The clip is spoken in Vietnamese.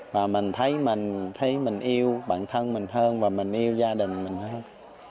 và mình thấy mình yêu bản thân mình hơn và mình yêu gia đình mình hơn